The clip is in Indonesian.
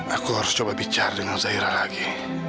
aku harus coba bicara dengan zaira lagi